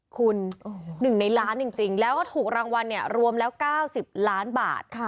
คุณ๑ในล้านจริงแล้วก็ถูกรางวัลรวมแล้ว๙๐ล้านบาท